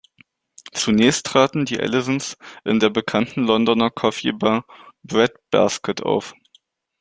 Zunächst traten die Allisons in der bekannten Londoner Coffee Bar "Bread Basket" auf.